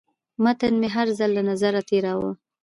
متن مې هر ځل له نظره تېراوه.